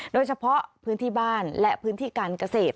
โดยเฉพาะพื้นที่บ้านและพื้นที่การเกษตร